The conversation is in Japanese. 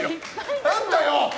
何だよ！